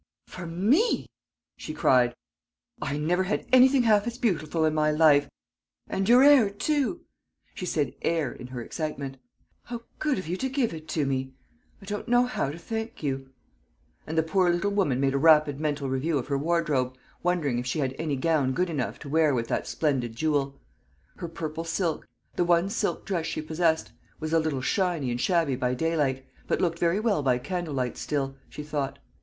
"For me!" she cried. "I never had anything half as beautiful in my life. And your 'air, too!" She said "'air" in her excitement. "How good of you to give it to me! I don't know how to thank you." And the poor little woman made a rapid mental review of her wardrobe, wondering if she had any gown good enough to wear with that splendid jewel. Her purple silk the one silk dress she possessed was a little shiny and shabby by daylight, but looked very well by candle light still, she thought.